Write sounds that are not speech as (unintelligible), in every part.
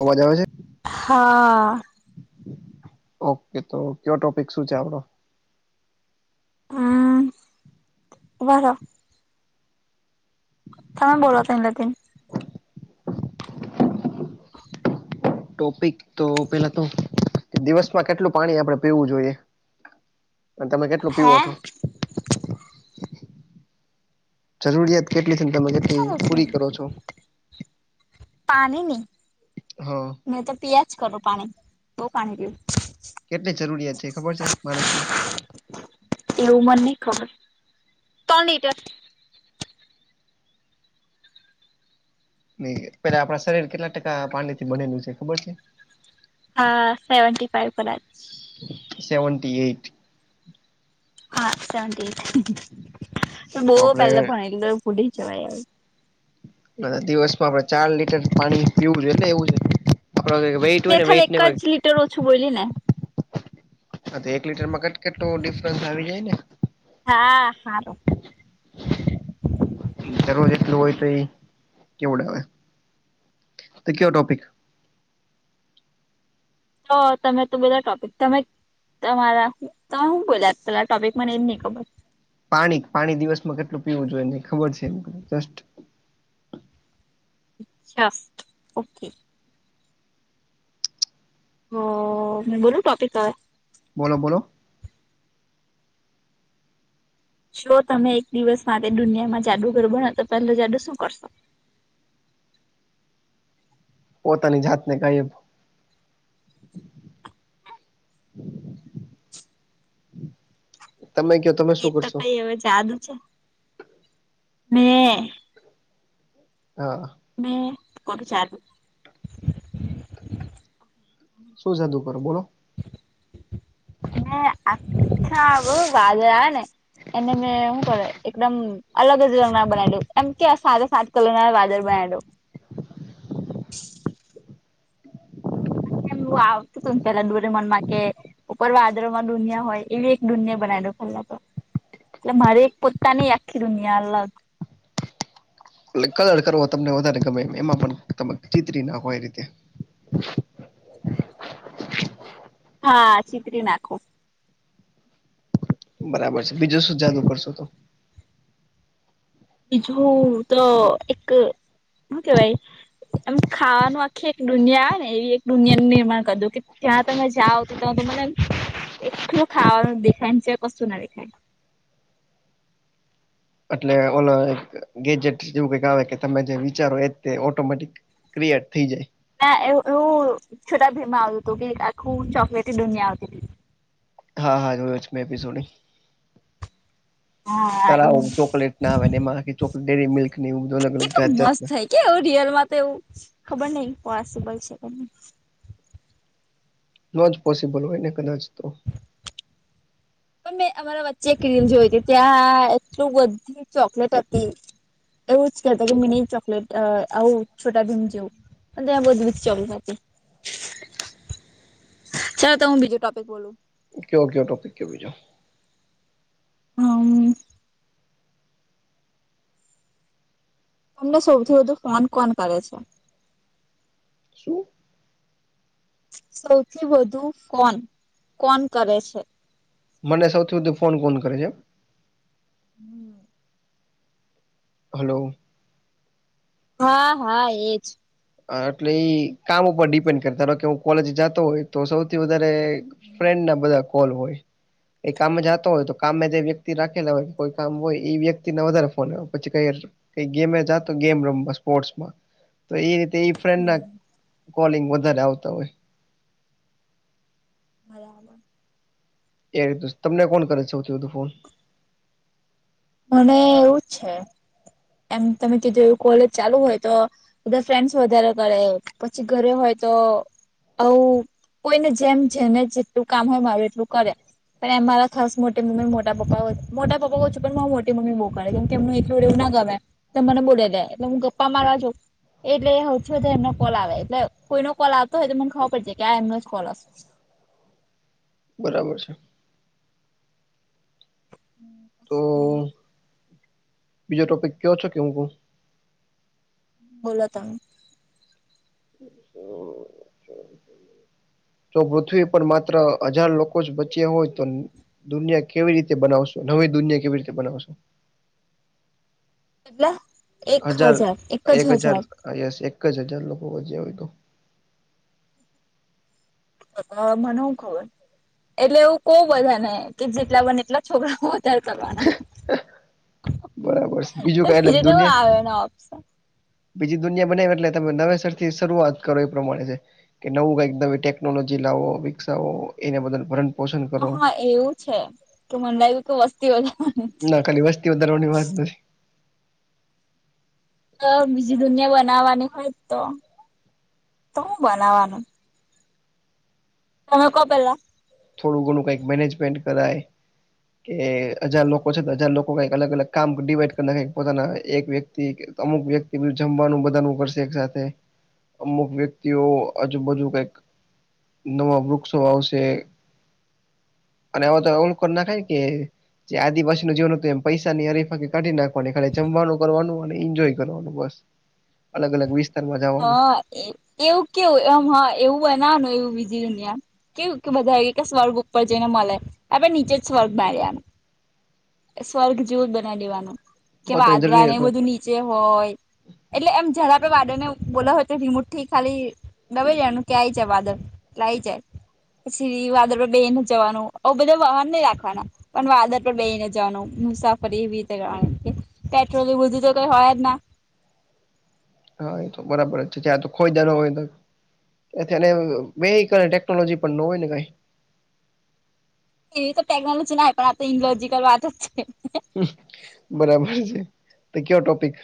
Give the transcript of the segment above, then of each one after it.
અવાજ આવે છે. હા ઓકે તો કયો ટોપિક શું છે આપડો? વાહ વાહ! હા તમે બો તઇ નથી તો ટોપિક તો પેલા તો દિવસમાં કેટલું પાણી આપડે પીવું જોઈએ. અને તમે કેટલું હે પીવો છો? જરૂરિયાત કેટલી છે. તમે કેટલી પૂરી કરો છો (inaudible) પાણી ની હા મે તો પિયાજ કરુ પાણી. બો પાણી પીમ કેટલી જરૂરિયાત છે. ખબર છે માણસ ને? એવું મને ની ખબર. ત્રણ લીટર ન પેલા આપણા શરીર કેટલા ટકા પાણી થી બનેલું છે ખબર છે? હા સેવન્ટી ફાઈઇવ પર. સેવનન્ટટી એઈટ હા સંત તો બહ આપડે પહેલા ભણેલી તો ભૂલી જવાય. દિવસમાં આપડે ચાર લીટર પાણી પીવું જોઈએ. એટલે એવું છે આપડ વેઇટ હોય મે ને ખાલી વેઇટ ને એકાચ લીટર ઓછું બોલી ને. હા તો એક લીટરમાં કટકટું ડિફરન્સ આવી જાય ને. હા હારો (inaudible) જરૂર જેટલું હોય તો એ કેવુંડાવે? તો ક ટોપિક તો તમે તો બધા ટપિક તમે તમારા તમે શું બોલ્યા પલા ટોપિક મને એમ નહી ખબર. પાણી પાણી દિવસમાં કેટલું પીવું જોઈએ ન ખબર છે. એમ જસ્ટ ઓકે. હ મે બોલું ટોપી હતું. બોલો બોલો. જો તમે એક દિવસ માટે દુનિયામાં જાદુગર બનો તો પહેલા જાદુ શું કરશો? પોતાની જાતને કઈ તમે ક્યો એ તો કઈ હવે જાદુ છે મે હા મેં કોભી ચાર (unintelligible) શું સાધુ કરો બોલો હ (unintelligible) અચ્છા બહ વાજને એને મે હું કરે એકદમ અલગ જ રંગ ના બનાવી દ્યો એમ કે આ સાથે સાત કલર ના વાજર બનાવી દવ એમ આવતું હતુંને (unintelligible) પેલા ડૂર મન માં કે ઉપર વાદરો માં દુનિયા હોય એવી એક દુનિયા બનાવી દો ખલાતો એટલે મારે એક પોતાની આખી દુનિયા અલગ એટ કલર કરો તમને વધારે ગમે એ એમાં (inaudible) પણ તમે ચિતરી નાખો એ રીતે હા ચીતરી નાખો બરાબર છે બીજું શું જાદુ કરશો તો બીજું તો એક હું કેવાય એમ ખાવાનું આખી એક દુનિયા આવે ને એવી એક દુનિયાનું નિર્માણ કર દો કે ત્યાં મે જાઓ તો ત તો મને એલું ખાાવ દેખાયચ કશું ના દેખાય એટલે ઓ ગેજેટ જેવું કઈક આવે કે તમે જે વિચારો એ તે ઓટોમેટિક ક્રિએટ થઈ જાય (inaudible) ના એવું એવું (unintelligible) છોટા ભીમાં આવતું હતું કે આખું ચોકલેટી દુનિયા આવતી હતી (inaudible) હા હા જોયો છે મેં (inaudible) એપિસોડ હા તારા એમ આવ ચોકલેટ ના આવે ને એમાંખ ચોક ડેરી મિલ્ક એવ બધ અલગ અલગ કેટલું જાત જાત મસ્ત થાય કે એવું રિયલમાં તો એવું (unintelligible) ખબર નહિ પોસિબલ છે કે ન ન જ પોસિબલ હોય ને કદાચ તો પણ મેં અમારા વચ્ચે ક્રીમ જોઈ હતી ત્યાં એટલું બધી ચોકલેટ હતી એવું કેતા કે મિ ન ચકલેટ આવ છોટા ભીમ જેવુ. અને ત એ બધી જ ચમ (unintelligible) (unintelligible) ચાલો તો હું બીજું ટોપિક બોલું કયો કયો ટોપિક કયો બીજો હમ તમને સૌથી વધુ ફોન કોન કરે છે. શું સૌથી વધુ કોન કોન કરે છે. મને સૌથી વધુ ફોન કોણ કરે છે. હમ (unintelligible) હલો. હા હા એજ હ એટલે એ કામ ઉપર ડિપેન્ડ કર ધારો કે હું કોલેજ જાતો હોય. તો સૌથી વધારે ફ્રેન્ડ ના બધા કોલ હોય. એ કામ જતો હોય તો કામ જે વ્યક્તિ રાખેલા હોય કોઈ કામ હોય એ વ્યક્તિને વધારે ફોન આવે પછી ક કઈ ગેમે જા તો ગેમ રમવા સ્પોર્ટસમાં તો એ રીતે તે એ ફ્રેન્ડના હમ કોલિંગ વધારે આવતા હોય. બરાબર (unintelligible) એ રીત તમને કોણ કરે છે સૌથી વધું ફોન મને એવુંજ છે એમ તમે ક જોવું કોલેજ ચાલુ હોય તો બધા ફ્રેન્ડ્સ વધારે કરે પછી ઘરે હોય તો અ કોઈને જેમ જેને જેટલું કામ હોય મારું એટલું કરે પણ એ મારા ખાસ મોટી મ્મી મોટા પપ્પા મોટા પપ્પા પણ મોટી મમ્મી બોવાડે કેમ કે એમનું એટલું રેવું ના ગમે તો મને બોલે દે એટલે હું ગપ્પા મારા છું એટલે હ છું તો એમનો કોલ આવે એટલે કોઈનો કોલ આવતો હોય તો મને ખબર પડ જ કે આ એમનો જ કોલ આવશે બરાબર છે. તો (unintelligible) બીજો ટોપિક કેયો છે કે હું કું બોલો તમે હા જો પૃથ્વી પર માત્ર હજાર લોકો જ બચ્યા હોય તો દુનિયા કેવી રીતે બનાવશો નવી દુનિયા કેવી રીતે બનાવશો એટલે એક હજાર એક જ હજાર હા યસ એક જ હજાર લોકો વ જે હોય તો હ મને શુ ખબર એટલે એવું ક બધા ને કે જેટલા બને એટલા છોકરા વધાર કરવાના બરાબર છે કઈ એટલે બીજું તો હું દુનિયા આવ્યોને ઓપ્શન બીજી દુનિયા બને એટલે તમે નવેસર થી શરૂઆત કરો એ પ્રમાણે છે. કે નવું કાઈક નવી ટેકનોલોજી લાવો વિકસાવો એને બદલ પરં હ એવું છે? તો મન લાયગુ કઈક વસ્તી વધારવાન ના ખાલી વસ્તી વધારવાની વાત નથી બીજી દુનિયા બનાવવાની હોય તો તો હું બનાવાનું તમે કો પહેલા થોડું ઘણું કઈક મેનેજમેન્ટ કરાય કે હજાર લોકો છે હજાર લોકો કક અલગ અલગ કામ ડિવાઈડ કરી ના પોતાના એક વ્યક્તિ કીક અમુક વ્યક્તિનું જમવાનું બધાનું કરશે એકસાથે. અમુક વ્યક્તિઓ આજુબાજુ કંઈક નવાં વૃક્ષો વાવશે. અને અવે તો ઓમ કર નખાય કે ચાર દિવસનું જીવન હતું એમ પૈસાની હરીફાકી કાઢી નાખવાની ખાલી જમવાનું કરવાનું અને ઈન્જોય કરવાનું બસ. અલગ-અલગ વિસ્ હ એવું કેવું એમ હ એમ એવું બનાવનું એવું બીજી દુનિયા. કેવું કે બધા એ કે સ્વર્ગ ઉપર જઈને મલે આપડે નીચે જ સ્વર્ગ બાર્યા. સ્વર્ગ જેવું જ બનાવી દેવાનું કે પોતાની વાદરા ને જરૂરિયાત એ બધું પ્રમાણે ની ચે હોય એટલે એમ જયારે આપડે વાદળને બોલાઉ હોય તો રિમોટથી ખાલી ડબાઈ દેવાનું કે આય જા વાદળ એટલે આઈ જાય. પછી વાદળ પર બેહીને જવાનું આવ બધાં વાહન નહીં રાખવા. પણ વાદળ પણ બેઈને જવાનું મુસાફરી એવી રીતે કરવાનું પેટ્રોલને બધું તો કંઈ હોય જ ના. હા એ તો બરાબર છે ત્યાં તો ખોયદાનો હોય તો એથી એન અ વેહિકલ ટેકનોલોજી પણ ન હોય ને કાઈ. એવી તો ટેકનોલોજી ના હોય પણ આ તો ઇંગ્લોજીકલ વાત જ છે. અમ બરાબર છે તો કયો ટોપિક.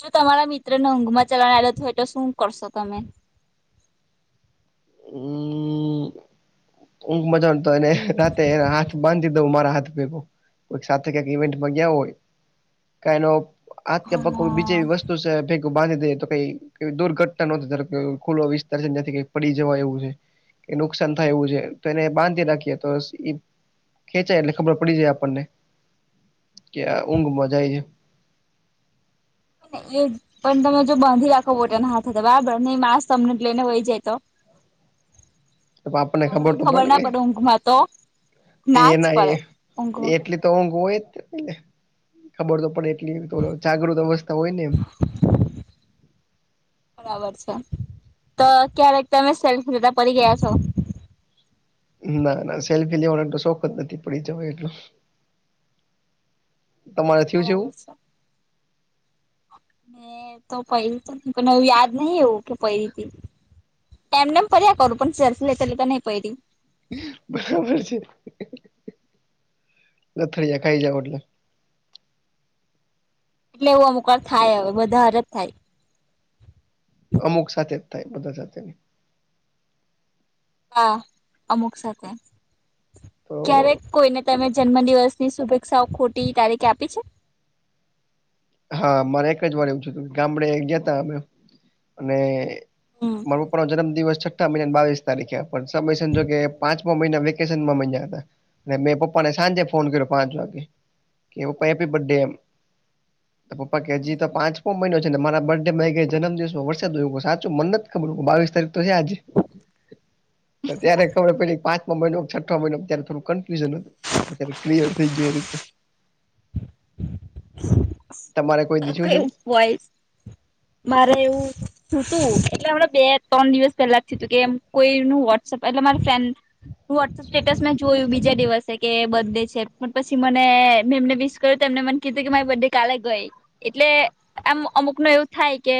જો તમારા મિત્રને ઊઘમાં ચાલવાની આદત હોય તો શું કરશો તમે? અમ્મ. અમ્મ ઊંઘમાં ચાલવાન તો એને રાતે એના હાથ બાંધી દઉં મારા હાથ ભેગું. કોઈક સાથે કાક ઈવેન્ટમાં ગયા હોય કા એનો હાથ કે પગ કોઈ બીજી હા એવી વસ્તુ છે ભે ગુ બાંધી દયે તો કઈ દુર્ઘટના નોતી ખુલ્લો વિસ્તાર છે ન્યાથી કાઈ પડી જવા એવું છે. કંઈ નુકસાન થાય એવું છે. તો એને બાંધી રાખીએ તો ઈ ખેંચાય એટલે ખબર પડી જાય આપણને. કે આ ઊંઘમાં જાય હે. હ ને એજ. પણ તમે જો બાંધી રાખવા બોલ્યા હાથે તો બરાબર નહીં માણસ તમને લઈને વહી જાય તો? તો આપણને તમને તો ખબર ના ને પડે ઊઘમાં તો? ના જ એના પડે એ ઊંઘમાં એટલી તો ઊંઘ હોય જ ને. એટલે ખબર તો પડે એટલી તો જાગૃત અવસ્થા હોય ને એમ. બરાબર છે તો ક્યારેક તમે સેલ્ફી લેતા પડી ગયા છો? ના ના, સેલ્ફી લેવાનો એટલો શોખ જ નથી પડી જવાય એટલો. તમારે થયું આ એવું (unintelligible) છે. મે તો પયડી તી પણ એવું યાદ નહીં એવું કે પયરી તી. એમનેમ પર્યા કરુ પણ સેલ્ફી લેતાં લેતા તો નઈ પયડી. બરાબર છે લથયડા ખાઈ જાઓ એટલે. એટલે એવું અમુક થાય હવે બધા હારે જ થાય. અમુક સાથે જ થાય બધા સાથે ની. હા, અમુક સાથે તો ક્યારેક કોઈને તમે જન્મદિવસની શુભેચ્ક્ષાઓ ખોટી તારીખે આપી છે? હા મારે એક જ વાર એવું થયું હતું ગામડે ગયા તા અમે અને હમ. મારો પપ્પાનો જન્મદિવસ છઠ્ઠ મા મહિનાની બાવીસ તારીખે પણ સમય સંજોગે કે પાંચમા મહિના મ વેકેશન માં મજા હતાં. ને મેં પપ્પાને સાંજે ફોન કર્યો પાંચ વાગે કે પપ્પા હેપી બર્ડે એમ. તા પપ્પા કે હજી તો પાંચમો મહિનો મારા બર્થ ડે મને કે ગયા જન્મદિવસ વરસાદ આયવો પણ સાચું મન નથ જ ખબર બાવીસ તારીખ તો હે આજે ત્યારે ખબર પયડી કે પાંચ છ મહિનો છઠ્ઠ મહિનોમાં ત્યારે થોડું કન્ફ્યુઝન હતુંત્યારે ક્લિયર થઈ ગું એ રીતે. તમારે કોઈ દીધું છે કઈ એવું હોય? મારે એવું શું તું એટલે હમણાં બે ત્રણ દિવસ પહેલા જ થ તું કે એમ. કોઈ નું વોટ્પ એટલે મારી ફ્રેડ સ્ટેટસ મેં જોયું બીજા દિવસે કે બર્ ડે છે પણ પછી મને મેં એમને વિસ કર્યું એને મને કીધું કે મારી બડે કાલે ગઈ એટલે આમ અમુક ન એવું થાય કે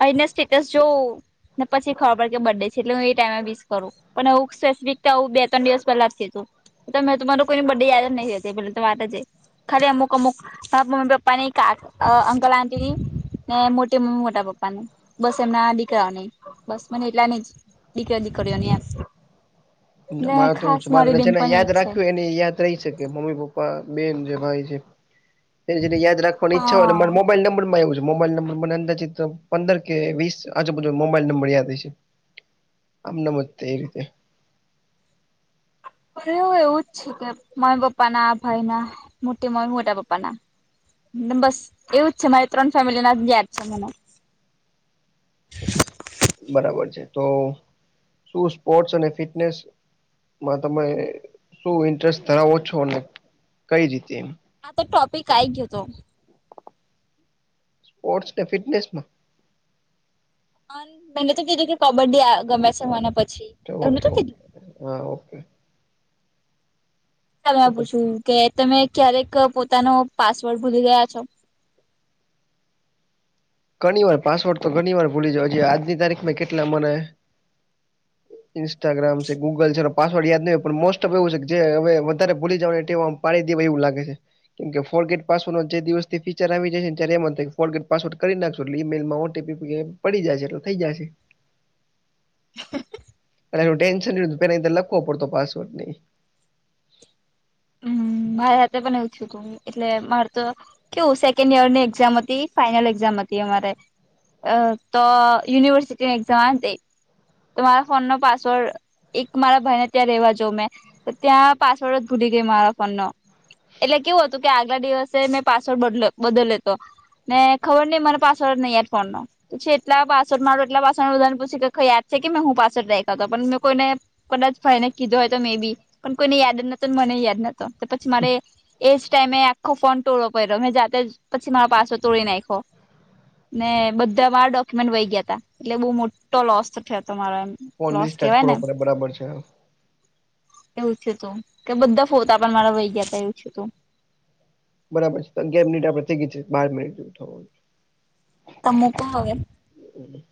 અને સ્ટેટસ જોવ ને પછી ખબર પડે કે બર્ ડે છે એટલે હું એ ટાઈમે વિસ કરું. પણ એવુ સ્પેસિફિક આવ બે ત્રણ દિવસ પેલા જ થીધું. મેં તમારું કોઈને બડે યાદ જ નહીં હતી પલે તો વાત જ એ ખાલી અમુક અમુક મમ્મી પપ્પાની કા અંકલ આંટી ની ને મોટી મમ્મી મોટા પપ્પા ની. બસ એમના દીકરાઓ નહી બસ મને એટલા નઈ દીકરા દીકરીઓ ની એમ. ને મારે તોવું છે ખાસ મારી મારેને બેન જેને પણ યાદ એક છે રાખ્યું એને યાદ રહી શકે મમ્મી પપ્પા બેન જે ભાઈ છે એને જેને યાદ રાખ ઈચ્છા હોય અને હા મારા મોબાઇલ નંબર માય એવું છે. મોબાઈલ નંબર મને અંદાજીત પંદર કે વીસ આજુબાજુ મોબાઈલ નંબર યાદ હ છે આમને આમ જ તે એ રીતે. અ એવું જ છે કે મય પપ્પા ના ભાઈ ના મોટી મ મોટા પપા ના. બસ એવું જ છે મારે ત્રણ ફેમિલી ના જ ગયા જ છે મને. બરાબર છે તો શું સ્પોર્ટસ અને ફિટનેસ? માં તમે શું ઇન્ટરેસ્ટ ધરાવો છો કઈ રીતે એમ? આ તો ટોપિક આઇ ગયો તો સ્પોર્ટસને ફિટનેસમાં? મેને તો કીધું કે કબડ્ડી ગમે છે મને પછી. એવું ઓકે નતું ઓકે કીધું હા ઓકે. તમે તો પછી પૂછ્યું કે તમે ક્યારેક પોતાનો પાસવર્ડ ભૂલી ગયા છો? ઘણી વાર પાસવોર્ટ તો ઘણી વાર ભૂલી જજ આજની તારીખમાં કેટલા મને ઇન્સ્ટાગ્રામ છે ગુગલ છે એ પાસવર્ડ યાદ ન હોય પણ મોસ્ટ ઓફ એવું છે કે જે હવે વધારે ભૂલી જવા ટેવ પાડી દેવા એવું લાગે છે કેમ ફોર્ગેટ પાસવર્ડ નો જે દિવસ થી ફીચર આવી જાય ત્યારે એમ જ થાય ફૉર્ગેટ પાસવર્ડને કરી નાખશો એટલે ઈમેલમાં ઓટીપી પડી જશે એટલે થઈ જશે. અને એ ટેન્શન પે લખવો પડતો પાસવર્ડ. હ મારે એ હાતે પણને એવું થયું તુ. એટલે મારે તો કેવું સેકન્ડ યરની એક્ઝામ હતી ફાઈનલ એક્ઝામ હતી અમારે અ તો યુનિવર્સિટી એક્ઝામ આ દ તો ફોન ન પાસવર્ડ એક મારા ભાઈને ત્યાં રેવા જઉ મેં તો ત્યાં પાસવર્ડ જ ભૂલી ગઈ મારા ફોન નો. એટલે કેવું હતું કે આગલા દિવસે મેં પાસવોર્ડદ બદલ્યો તો. ને ખબર નહિ મને પાસવર્ડ નહીં એેડફોન નો. પછી એટલા પાસવર્ડ મારો એટલા પાસ બધાને પછી ક યાદ છે કે મેં હું પાસવર્ડ રેખાતો પણ મેં કોઈને કદાચ ભાઈને કીધો હોય તો મે બી પણ કોઈને યાદ જ નતો મને યાદ નતો તો પછી મારે એજ ટાઈમે એ આખો ફોન તોડો પડ્યો મેં જાતે પછી મારો પાસો તોડી નાખ્યો. ને બધા માર ડોક્યુમેન્ટ વહી ગયા હતા એટલે બહુ મોટો લોસ થયો હતો મારો એમ. ફોન નહી લોસ સ્ટાર્ટ કેવાય ને કરવો પડે બરાબર છે એવું છે તું કે બધા ફોતા પણ મારા વઈ ગયા હતા એવું થયું તુ. બરાબર છે તોગિયાર મિનિટ આપડે થઈ ગઈ છે બાર મિનિટ જેવું થવા છે. તો મૂકો હવે. (inaudible)